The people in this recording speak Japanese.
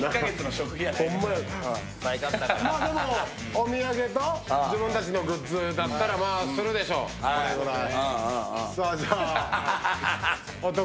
お土産と自分たちのグッズだったらまあ、するでしょう、これぐらい！